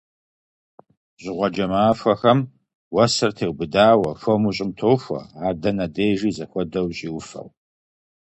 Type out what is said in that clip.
Жьыгъуэджэ махуэхэм уэсыр теубыдауэ, хуэму щӏым тохуэ, ар дэнэ дежи зэхуэдэу щӏиуфэу.